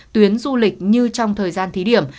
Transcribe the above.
tuyến du lịch như trong thời gian thí điểm